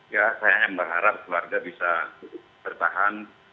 ya saya hanya berharap keluarga bisa bertahan